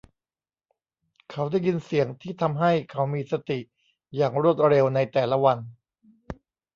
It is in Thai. เขาได้ยินเสียงที่ทำให้เขามีสติอย่างรวดเร็วในแต่ละวัน